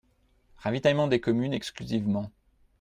Ravitaillement des communes exclusivement.